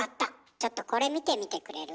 ちょっとこれ見てみてくれる？